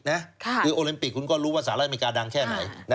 คือโอลิมปิกคุณก็รู้ว่าสหรัฐอเมริกาดังแค่ไหน